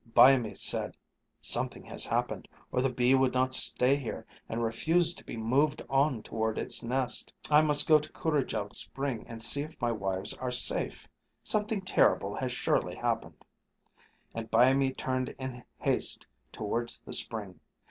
Byamee said, "Something has happened, or the bee would not stay here and refuse to be moved on towards its nest. I must go to Coorigel Spring and see if my wives are safe. Something terrible has surely happened." And Byamee turned in haste towards the spring.